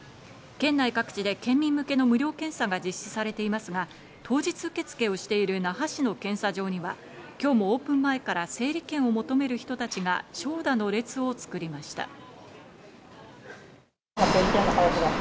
県内各地で県民向けの無料検査が実施されていますが、当日受け付けをしている那覇市の検査場には、今日もオープン前から整理券を求める人たちが長蛇の列を作りました。